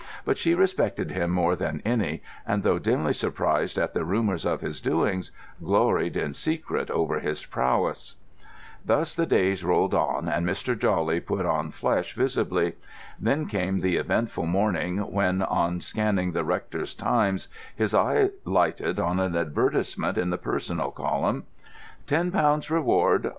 But she respected him more than any, and, though dimly surprised at the rumours of his doings, gloried in secret over his prowess. Thus the days rolled on, and Mr. Jawley put on flesh visibly. Then came the eventful morning when, on scanning the rector's Times, his eye lighted on an advertisement in the Personal Column: "Ten Pounds Reward.